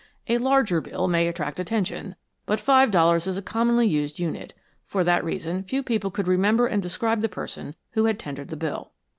A larger bill may attract attention, but five dollars is a commonly used unit. For that reason few people could remember and describe the person who had tendered the bill.